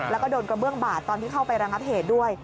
แล้วก็โดนกระเบื้องบาดตอนที่เข้าไประงับเหตุด้วย